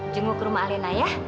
jenguk rumah alena ya